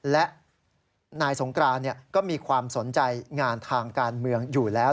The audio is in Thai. และนายสงกรานก็มีความสนใจงานทางการเมืองอยู่แล้ว